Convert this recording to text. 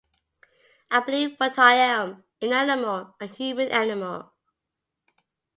I became what I am - an animal, a human animal.